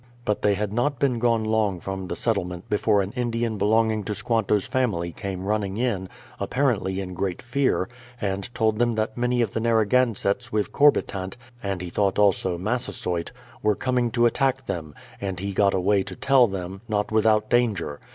But they had not been gone long from the settlement, before an Indian belonging to Squanto's family came running in, apparently in great fear, and told them that many of the Narragansetts with Corbi tant, and he thought also Massasoyt, were coming to attack them; and he got away to tell them, not without danger.